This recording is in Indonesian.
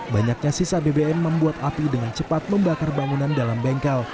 banyaknya sisa bbm membuat api dengan cepat membakar bangunan dalam bengkel